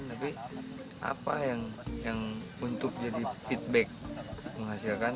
tapi apa yang untuk jadi feedback menghasilkan